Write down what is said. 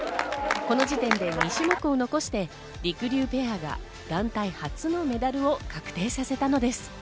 この時点で２種目を残して、りくりゅうペアが団体初のメダルを確定させたのです。